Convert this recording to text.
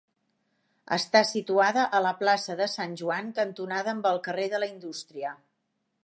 Està situada a la plaça de Sant Joan, cantonada amb el carrer de la Indústria.